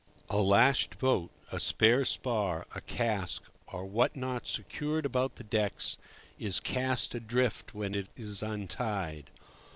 A lashed boat, a spare spar, a cask or what not secured about the decks, is "cast adrift" when it is untied.